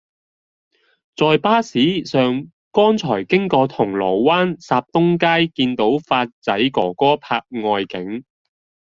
在巴士上剛才經過銅鑼灣霎東街見到發仔哥哥拍外景